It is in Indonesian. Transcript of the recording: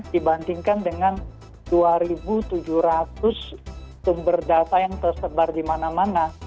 dibandingkan dengan dua tujuh ratus sumber data yang tersebar di mana mana